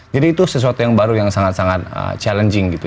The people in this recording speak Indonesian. jadi itu sesuatu yang baru yang sangat sangat challenging gitu